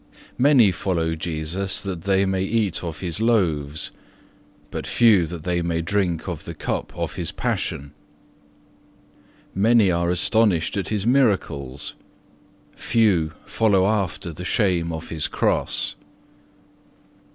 Many follow Jesus that they may eat of His loaves, but few that they may drink of the cup of His passion. Many are astonished at His Miracles, few follow after the shame of His Cross.